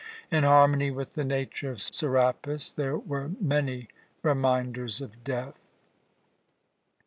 In harmony with the nature of Serapis, there were many reminders of death.